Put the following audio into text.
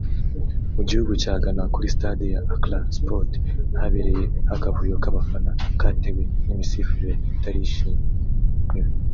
Mu gihugu cya Ghana kuri stade ya Accra Sports habereye akavuyo k’abafana katewe n’imisifurire itarishimiwe